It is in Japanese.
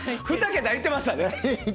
２桁いってましたね。